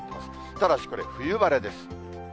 ただしこれ、冬晴れです。